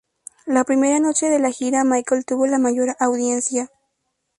La primera noche de la gira Michael tuvo la mayor audiencia.